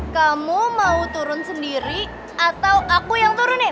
kamu mau turun sendiri atau aku yang turunin